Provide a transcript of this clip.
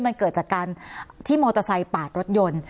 มันเกิดจากการที่มอเตอร์ไซค์ปาดรถยนต์